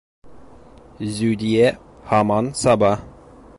Зүдиә һаман саба.